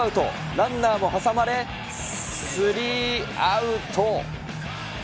ランナーも挟まれ、スリーアウト。